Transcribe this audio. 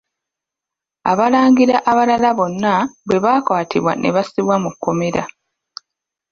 Abalangira abalala bonna bwe baakwatibwa ne bassibwa mu kkomera.